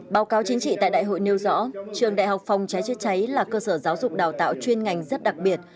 báo cáo chính trị tại đại hội nêu rõ trường đại học phòng cháy chữa cháy là cơ sở giáo dục đào tạo chuyên ngành rất đặc biệt